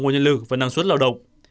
nguồn nhân lực và năng suất lao động